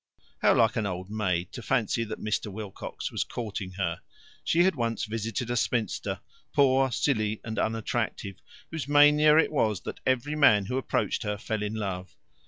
How like an old maid to fancy that Mr. Wilcox was courting her! She had once visited a spinster poor, silly, and unattractive whose mania it was that every man who approached her fell in love.